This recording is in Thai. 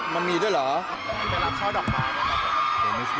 แต่ที่เค้ามาบอกนี้